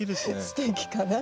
すてきかな。